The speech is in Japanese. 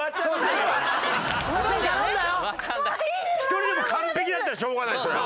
１人でも完璧だったらしょうがないそれは。